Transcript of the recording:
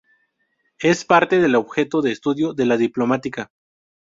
Es parte del objeto de estudio de la Diplomática.